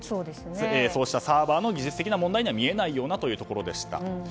そうしたサーバーの技術的な問題には見えないようなというところでした。